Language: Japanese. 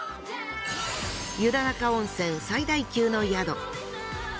湯田中温泉最大級の宿。